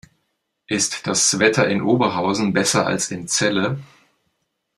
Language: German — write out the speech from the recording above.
Ist das Wetter in Oberhausen besser als in Celle?